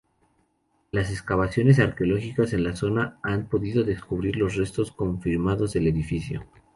Las excavaciones arqueológicas en la zona han podido descubrir los restos confirmados del edificio.